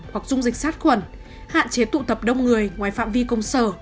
hạn chế tụ tập đông người ngoài phạm vi công sở